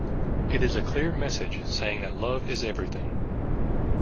It is a clear message saying that love is everything.